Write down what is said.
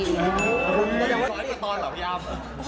จะหายกดนี่ตอนเหรอพี่อ้าว